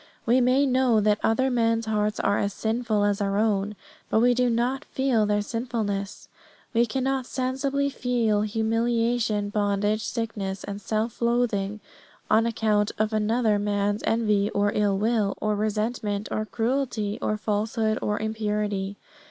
We may know that other men's hearts are as sinful as our own, but we do not feel their sinfulness. We cannot sensibly feel humiliation, bondage, sickness, and self loathing on account of another man's envy, or ill will, or resentment, or cruelty, or falsehood, or impurity.